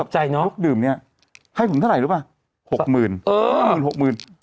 สบใจเนอะลูกดื่มเนี้ยให้ผมเท่าไหร่รู้ป่ะหกหมื่นเออหกหมื่น